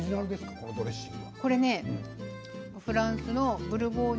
このドレッシング。